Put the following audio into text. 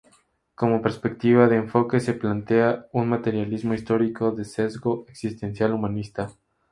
Como perspectiva de enfoque, se plantea un materialismo-histórico de sesgo existencial-humanista.